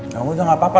ya udah gapapa